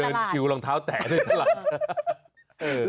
เดินชิวรองเท้าแตะในตลาด